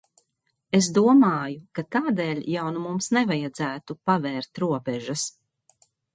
Es domāju, ka tādēļ jau nu mums nevajadzētu pavērt robežas.